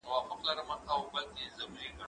زه مخکي زدکړه کړې وه،